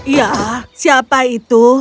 ya siapa itu